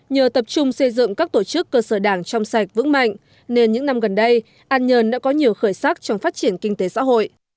nhờ tập trung xây dựng các tổ chức cơ sở đảng trong sạch vững mạnh nên những năm gần đây an nhơn đã có nhiều khởi sắc trong phát triển kinh tế xã hội